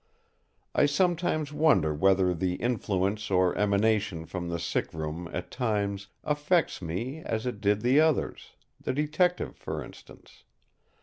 I sometimes wonder whether the influence or emanation from the sick room at times affects me as it did the others—the Detective, for instance.